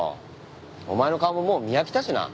お前の顔ももう見飽きたしな。